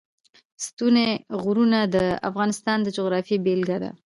ستوني غرونه د افغانستان د جغرافیې بېلګه ده.